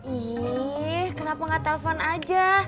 ih kenapa nggak telpon aja